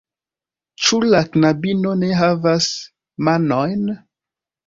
Ĉu la knabino ne havas manojn?